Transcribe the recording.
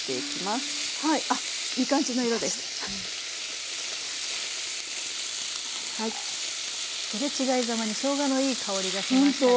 すれ違いざまにしょうがのいい香りがしましたが。